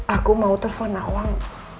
aku mau telfon nawang